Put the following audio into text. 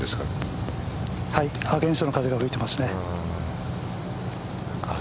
アゲンストの風が吹いていますね。